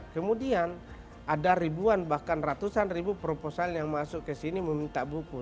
kemudian ada ribuan bahkan ratusan ribu proposal yang masuk ke sini meminta buku